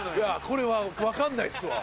これは分かんないっすわ。